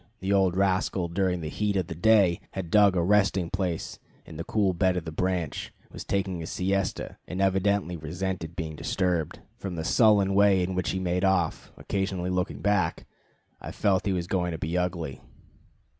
The old rascal during the heat of the day had dug a resting place in the cool bed of the branch, was taking his siesta, and evidently resented being disturbed. From the sullen way in which he made off, occasionally looking back, I felt he was going to be ugly.